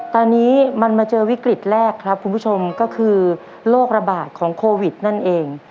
ตอนนี้มันมาเจอวิกฤตแรกครับคุณผู้ชมก็คือโรคระบาดของโควิดนั่นเอง